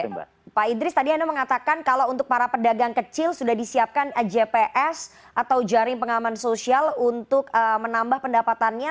pak idris tadi anda mengatakan kalau untuk para pedagang kecil sudah disiapkan jps atau jaring pengaman sosial untuk menambah pendapatannya